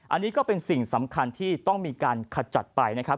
อันนี้ก็เป็นสิ่งสำคัญที่ต้องมีการขจัดไปนะครับ